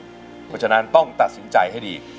เพราะฉะนั้นต้องตัดสินใจให้ดี